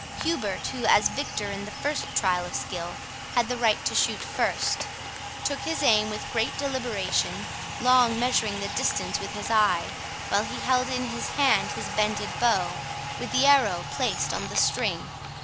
Hubert, who, as victor in the first trial of skill, had the right to shoot first, took his aim with great deliberation, long measuring the distance with his eye, while he held in his hand his bended bow, with the arrow placed on the string.